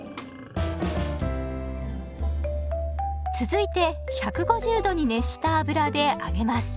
続いて１５０℃に熱した油で揚げます。